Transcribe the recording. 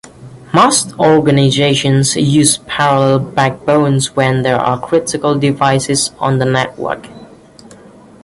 Most organizations use parallel backbones when there are critical devices on the network.